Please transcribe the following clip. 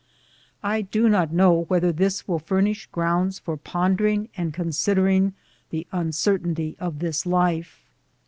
I do not know whether this will furnish grounds for pondering and con sidering the uncertainty of this life.